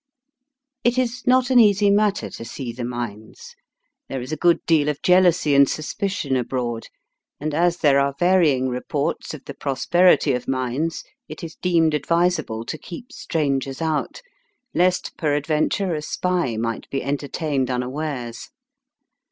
It is not an easy matter to see the mines. There is a good deal of jealousy and suspicion abroad, and as there are varying reports of the prosperity of mines it is deemed advisable to keep strangers out, lest peradventure a spy might be entertained unawares.